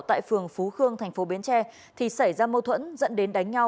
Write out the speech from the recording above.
tại phường phú khương thành phố bến tre thì xảy ra mâu thuẫn dẫn đến đánh nhau